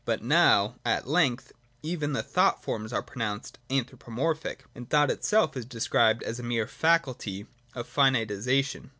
But now, at length, even the thought forms are pronounced anthropomorphic, and thought itself is de scribed as a mere faculty of finitisation.